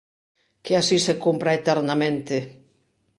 Que así se cumpra eternamente.